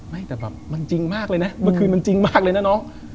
ไม่แต่แบบมันจริงมากเลยนะเมื่อคืนมันจริงมากเลยนะน้อง